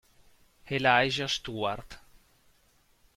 Elijah Stewart